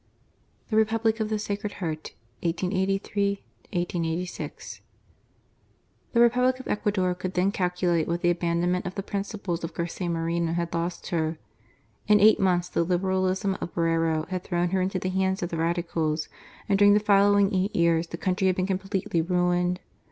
THE REPUBLIC OF THE SACRED HEART. 325 III. THE REPUBLIC OF THE SACRED HEART. 1883— 1886. The Republic of Ecuador could then calculate what the abandonment of the principles of Garcia Moreno had lost her. In eight months the Liberalism of Borrero had thrown her into the hands of the Radicals ; and during the following eight years the country had been completely ruined.